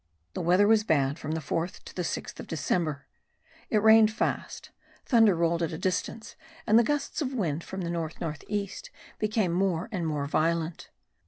The weather was bad from the 4th to the 6th of December: it rained fast; thunder rolled at a distance, and the gusts of wind from the north north east became more and more violent.